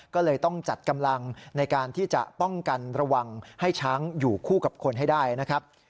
ก็เลยต้องจัดกำลังในการที่จะป้องกันระวังให้ช้างอยู่คู่กับคนให้ได้นะครับ